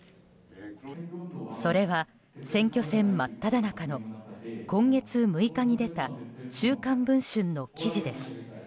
それは、選挙戦真っただ中の今月６日に出た「週刊文春」の記事です。